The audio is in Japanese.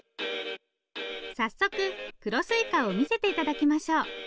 早速黒すいかを見せて頂きましょう。